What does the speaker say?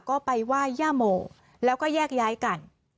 ก็ไปไหว้ย่าโมแล้วก็แยกย้ายกัน